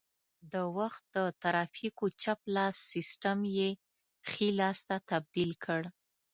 د وخت د ترافیکو چپ لاس سیسټم یې ښي لاس ته تبدیل کړ